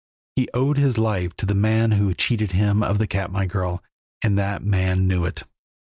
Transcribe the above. He owed his life to the man who had cheated him of the Katmai girl, and that man knew it.